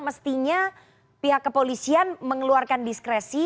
mestinya pihak kepolisian mengeluarkan diskresi